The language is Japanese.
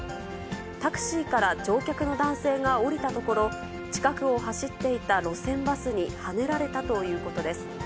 タクシーから乗客の男性が降りたところ、近くを走っていた路線バスにはねられたということです。